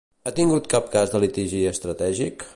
Ha tingut cap cas de litigi estratègic?